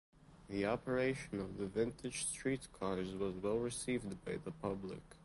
The operation of the vintage streetcars was well received by the public.